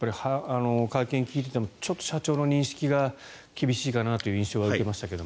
会見を聞いていても社長に認識が厳しいかなという印象は受けましたけど。